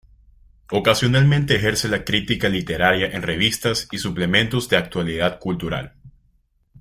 Ocasionalmente ejerce la crítica literaria en revistas y suplementos de actualidad cultural.